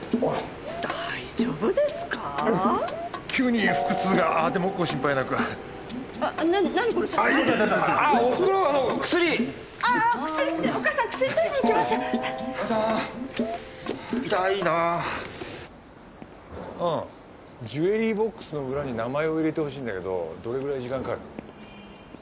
うんジュエリーボックスの裏に名前を入れてほしいんだけどどれくらい時間かかる？